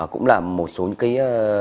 cũng là một số những cái